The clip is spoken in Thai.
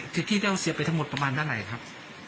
คือที่เราเสียไปทั้งหมดประมาณด้านไหนครับ